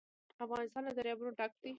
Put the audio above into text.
افغانستان له دریابونه ډک دی.